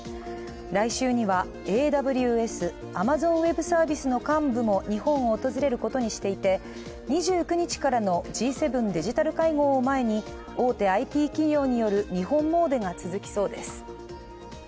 来週にはＡＷＳ＝アマゾン・ウェブ・サービスの幹部も日本を訪れることにしていて、２９日からのＧ７デジタル会合を前に大手ＩＴ企業による日本詣でが続きそうです。